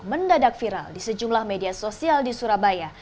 mendadak viral di sejumlah media sosial di surabaya